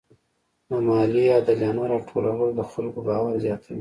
د مالیې عادلانه راټولول د خلکو باور زیاتوي.